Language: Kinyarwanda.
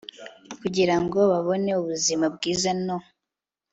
kugira ngo babone ubuzima bwiza no